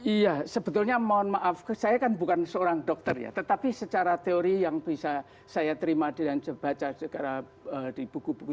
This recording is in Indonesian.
iya sebetulnya mohon maaf saya kan bukan seorang dokter ya tetapi secara teori yang bisa saya terima dan baca di buku buku